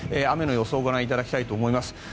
雨の予想をご覧いただきたいと思います。